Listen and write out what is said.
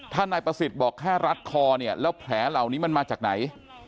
ถ้านายประสิทธิ์บอกแค่รัดคอเนี่ยแล้วแผลเหล่านี้มันมาจากไหน